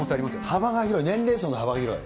幅が広い、年齢層の幅が広い。